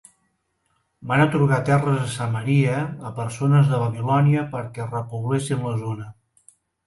Van atorgar terres a Samaria a persones de Babilònia perquè repoblessin la zona.